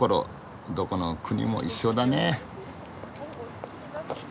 どこの国も一緒だね。